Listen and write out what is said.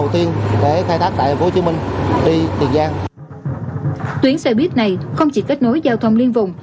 tuyến xe buýt này không chỉ kết nối giao thông liên vùng